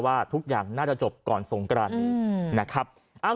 ปอล์กับโรเบิร์ตหน่อยไหมครับ